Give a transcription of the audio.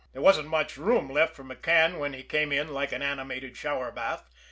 There wasn't much room left for McCann when he came in like an animated shower bath.